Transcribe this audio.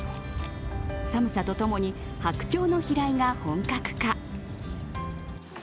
寒さとともに白鳥の飛来が本格化。